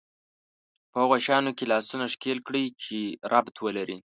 په هغو شيانو کې لاسونه ښکېل کړي چې ربط ولري.